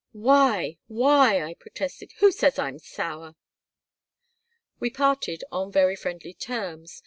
"Why, why?" I protested. "Who says I am sour?" We parted on very friendly terms.